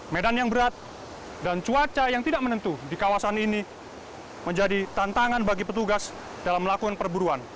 medan yang berat dan cuaca yang tidak menentu di kawasan ini menjadi tantangan bagi petugas dalam melakukan perburuan